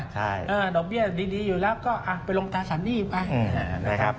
ใช่ดอกเบี้ยดีอยู่แล้วก็ไปลงตราศาสตร์นี่ไป